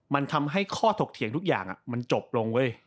มันทำให้ข้อถกเถียงทุกอย่างมันจบลงเว้ย